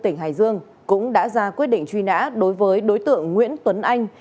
tỉnh hải dương cũng đã ra quyết định truy nã đối với đối tượng nguyễn tuấn anh